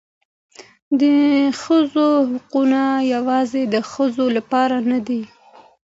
د ښځو حقوق یوازې د ښځو لپاره نه دي.